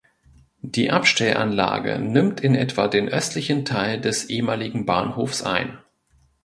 Die Abstellanlage nimmt in etwa den östlichen Teil des ehemaligen Bahnhofs ein.